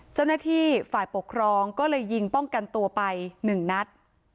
เจ้าหน้าที่ฝ่ายปกครองก็เลยยิงป้องกันตัวไป๑นัด